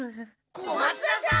小松田さん！